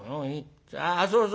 あっそうそう。